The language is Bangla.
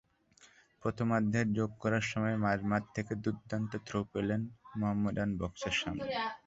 প্রথমার্ধের যোগ করা সময়ে মাঝমাঠ থেকে দুর্দান্ত থ্রু পেলেন মোহামেডান বক্সের সামনে।